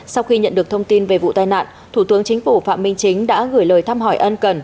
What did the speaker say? sau khi nhận được thông tin về vụ tai nạn thủ tướng chính phủ phạm minh chính đã gửi lời thăm hỏi ân cần